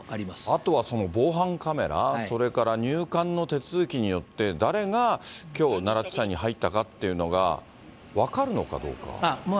あとはその防犯カメラ、それから入管の手続きによって、誰がきょう、奈良地裁に入ったかというのが、分かるのかどうか。